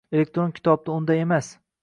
Elektron kitobda unday emas.